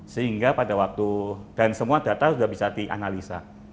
sehingga pada waktu dan semua data sudah bisa dianalisa